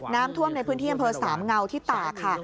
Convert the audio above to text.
น้ำท่วมในพื้นที่อำเภอสามเงาที่ตากค่ะ